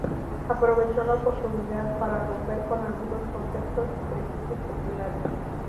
Aprovechó la oportunidad para romper con algunos conceptos y prejuicios populares.